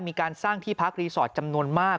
มีการสร้างที่พักรีสอร์ทจำนวนมาก